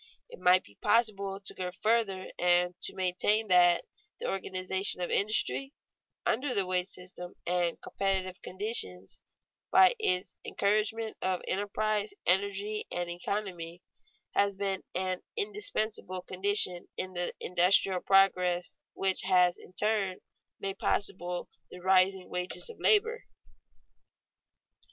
It might be possible to go further and to maintain that the organization of industry, under the wage system and competitive conditions, by its encouragement of enterprise, energy, and economy, has been an indispensable condition in the industrial progress which has in turn made possible the rising wages of labor.